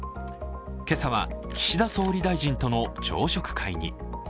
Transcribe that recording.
今朝は岸田総理大臣との朝食会に。